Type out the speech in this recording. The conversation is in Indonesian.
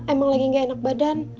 emang lagi gak enak badan